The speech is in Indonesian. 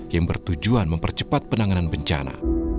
yang bertujuan mempercepat penanganan bencana